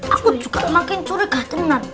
aku juga makin curiga tenang